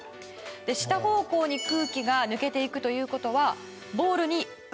下方向に空気が抜けていくという事はボールに浮き上がる